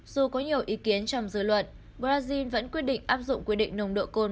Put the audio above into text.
dù có nhiều ý kiến trong dự luận brazil vẫn quyết định áp dụng quy định nồng độ cồn